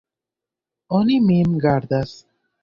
Oni min gardas.